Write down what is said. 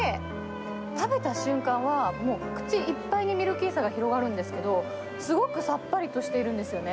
食べた瞬間は、もう口いっぱいにミルキーさが広がるんですけど、すごくさっぱりとしているんですよね。